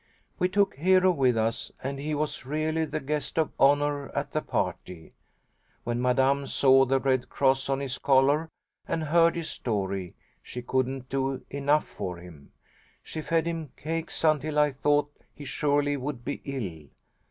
"We took Hero with us, and he was really the guest of honour at the party. When Madame saw the Red Cross on his collar and heard his history, she couldn't do enough for him. She fed him cakes until I thought he surely would be ill.